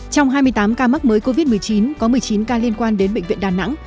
trong hai mươi tám ca mắc mới covid một mươi chín có một mươi chín ca liên quan đến bệnh viện đà nẵng